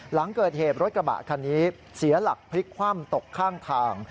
หลังเกิดเหตุรถกระบะคันนี้เสียหลักพลิกคว่ำตกข้างทาง